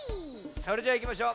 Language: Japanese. それじゃあいきましょう。